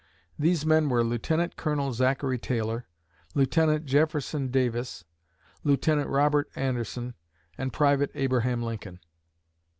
These men were Lieutenant Colonel Zachary Taylor, Lieutenant Jefferson Davis, Lieutenant Robert Anderson, and Private Abraham Lincoln.